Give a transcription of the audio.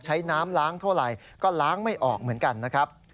ใช้น้ำล้างเท่าไหร่ก็ล้างไม่ออกเหมือนกันนะครับ